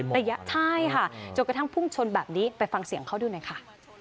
ระยะใช่ค่ะจนกระทั่งพุ่งชนแบบนี้ไปฟังเสียงเขาดูหน่อยค่ะ